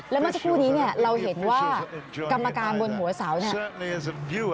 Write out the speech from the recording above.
แล้วเมื่อสักครู่นี้เนี่ยเราเห็นว่ากรรมการบนหัวเสาเนี่ย